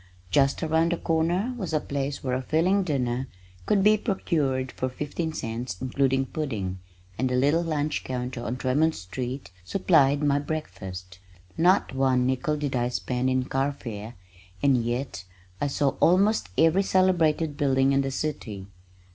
Just around the corner was a place where a filling dinner could be procured for fifteen cents, including pudding, and the little lunch counter on Tremont street supplied my breakfast. Not one nickel did I spend in carfare, and yet I saw almost every celebrated building in the city.